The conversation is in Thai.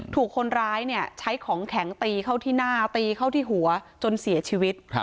ถูกคนร้ายใช้ของแข็งตีเข้าที่หน้าตีเข้าที่หัวจนเสียชีวิต